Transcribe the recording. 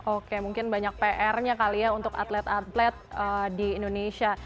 oke mungkin banyak pr nya kali ya untuk atlet atlet di indonesia